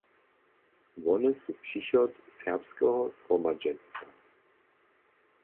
Wone su přichod serbskeho zhromadźenstwa.